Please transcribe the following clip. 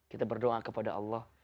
kita berdoa kepada allah